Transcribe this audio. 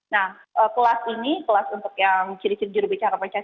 nah kelas ini kelas untuk yang kelas